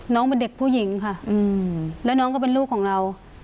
น้องเป็นเด็กผู้หญิงค่ะแล้วน้องก็เป็นลูกของเรา